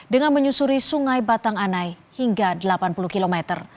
dengan menyusuri sungai batang anai hingga delapan puluh kilometer